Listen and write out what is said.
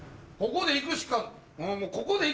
ここで行くしか。